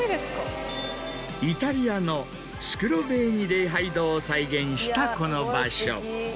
イタリアのスクロヴェーニ礼拝堂を再現したこの場所。